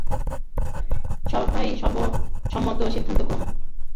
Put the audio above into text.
সভায় সর্বসম্মত সিদ্ধান্তক্রমে সদস্যদের মধ্য থেকে নতুন দুজন পরিচালক নির্বাচিত করা হয়।